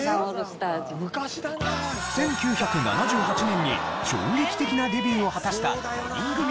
１９７８年に衝撃的なデビューを果たした５人組